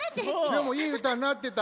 でもいいうたになってた。